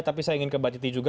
tapi saya ingin ke mbak titi juga